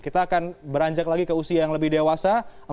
kita akan beranjak lagi ke usia yang lebih dewasa